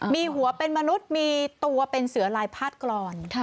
มีหัวเป็นมนุษย์มีตัวเป็นเสือลายพาดกรอน